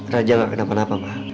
raja gak kenapa napa ma